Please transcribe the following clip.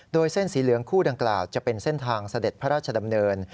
โดยเส้นสีเหลืองคู่ดังกล่าวจะเป็นเส้นทางเสด็จพระราชดำเนิน